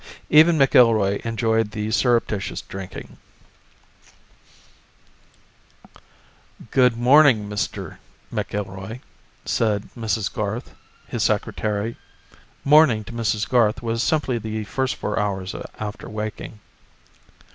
Even McIlroy enjoyed the surreptitious drinking. "Good morning, Mr. McIlroy," said Mrs. Garth, his secretary. Morning to Mrs. Garth was simply the first four hours after waking.